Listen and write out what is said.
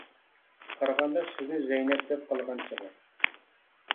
قارىغاندا سىزنى زەينەپ دەپ قالغان چېغى.